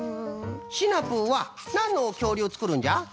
シナプーはなんのきょうりゅうをつくるんじゃ？